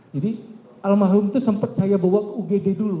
jadi al mahlum itu sempat saya bawa ke ugd dulu